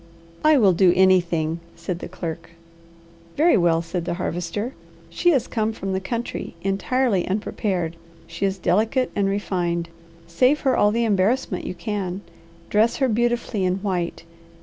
"I will do anything," said the clerk. "Very well," said the Harvester. "She has come from the country entirely unprepared. She is delicate and refined. Save her all the embarrassment you can. Dress her beautifully in white.